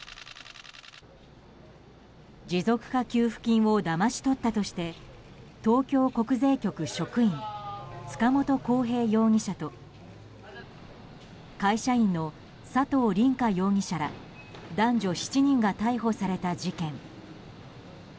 持続化給付金をだまし取ったとして東京国税局職員塚本晃平容疑者と会社員の佐藤凛果容疑者ら男女７人が逮捕された事件。